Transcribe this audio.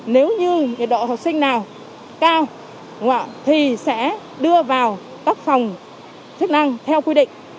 nếu như độ học sinh nào cao thì sẽ đưa vào các phòng chức năng theo quy định